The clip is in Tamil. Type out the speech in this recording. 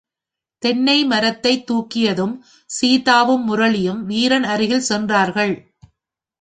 தென்னை மரத்தைத் துக்கியதும் சீதாவும், முரளியும் வீரன் அருகில் சென்றார்கள்.